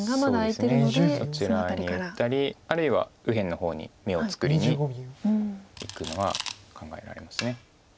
そちらに打ったりあるいは右辺の方に眼を作りにいくのは考えられます。